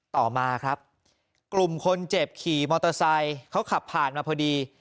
ต่อมาครับกลุ่มคนเจ็บขี่มอเตอร์ไซค์เขาขับผ่านมาพอดี